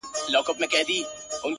زه به يې ياد يم که نه ـ